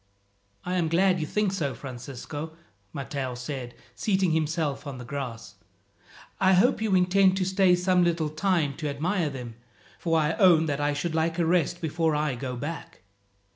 "I am glad you think so, Francisco," Matteo said, seating himself on the grass. "I hope you intend to stay some little time to admire them, for I own that I should like a rest before I go back."